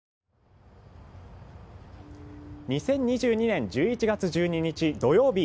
２０２２年１１月１２日土曜日。